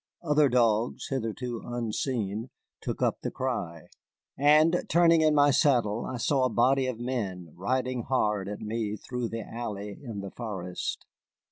Other dogs, hitherto unseen, took up the cry, and turning in my saddle I saw a body of men riding hard at me through the alley in the forest.